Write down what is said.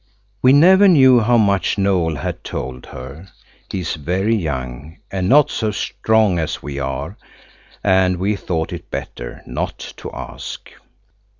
We never knew how much Noël had told her. He is very young, and not so strong as we are, and we thought it better not to ask.